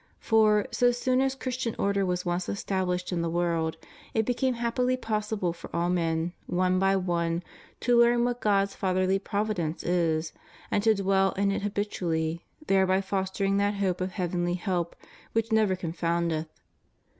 For, so soon as Christian order was once established in the world, it became happily possible for all men, one by one, to learn what God's fatherly providence is, and to dwell in it habitually, thereby fostering that hope of heavenly help which never confoundeth.